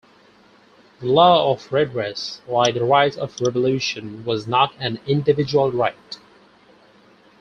The law of redress, like the right of revolution, was not an individual right.